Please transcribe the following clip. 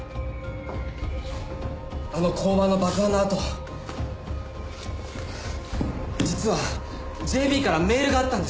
あの交番の爆破のあと実はＪＢからメールがあったんです。